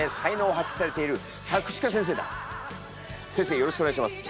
よろしくお願いします。